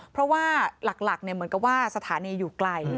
เพราะว่าหลักเหมือนกับว่าสถานีอยู่ไกล